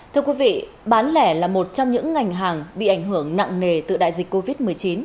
thưa quý vị bán lẻ là một trong những ngành hàng bị ảnh hưởng nặng nề từ đại dịch covid một mươi chín